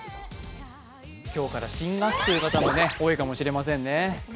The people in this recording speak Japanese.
今日から新学期という方も多いかもしれませんね。